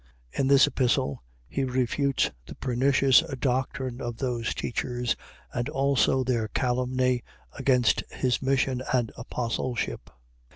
In this Epistle, he refutes the pernicious doctrine of those teachers and also their calumny against his mission and apostleship.